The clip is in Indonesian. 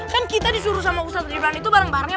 kan kita disuruh sama ustadz ibran itu bareng barengnya